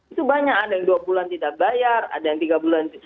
itu banyak ada yang dua bulan tidak bayar ada yang tiga bulan